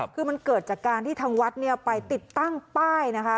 คือมันเกิดจากการที่ทางวัดเนี่ยไปติดตั้งป้ายนะคะ